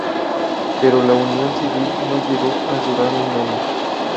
Pero la unión civil no llegó a durar un año.